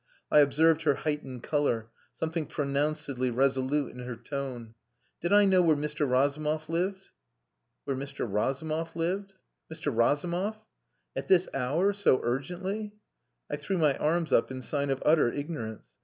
I observed her heightened colour, something pronouncedly resolute in her tone. Did I know where Mr. Razumov lived? Where Mr. Razumov lived? Mr. Razumov? At this hour so urgently? I threw my arms up in sign of utter ignorance.